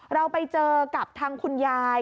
เราไปเจอกับทางคุณยาย